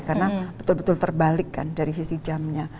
karena betul betul terbalik kan dari sisi jamnya